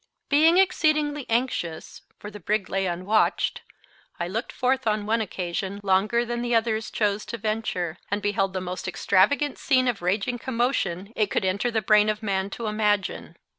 Being exceedingly anxious, for the brig lay unwatched, I looked forth on one occasion longer than the others chose to venture, and beheld the most extravagant scene of raging commotion it could enter the brain of man to imagine.